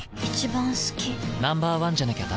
Ｎｏ．１じゃなきゃダメだ。